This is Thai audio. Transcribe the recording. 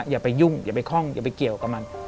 อย่าไปยุ่งอย่าไปคล่องอย่าไปเกี่ยวกับมัน